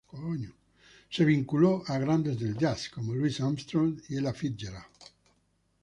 Se vinculó a grandes del jazz como Louis Armstrong y Ella Fitzgerald.